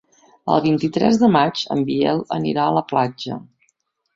El vint-i-tres de maig en Biel anirà a la platja.